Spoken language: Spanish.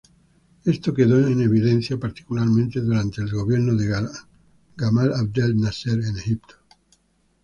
Esto quedó en evidencia particularmente durante el gobierno de Gamal Abdel Nasser en Egipto.